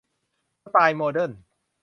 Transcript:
สไตล์โมเดิร์น